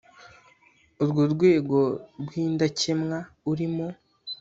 urwo rwego rw’indakemwa urimo